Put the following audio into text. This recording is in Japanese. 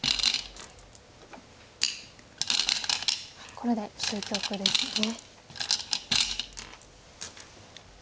これで終局ですね。